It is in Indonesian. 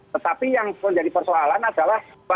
tetapi yang menjadi persoalan adalah